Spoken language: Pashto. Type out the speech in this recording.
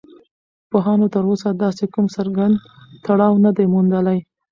پوهانو تر اوسه داسې کوم څرگند تړاو نه دی موندلی